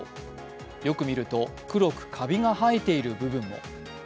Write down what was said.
よく見ると黒くかびが生えている部分も。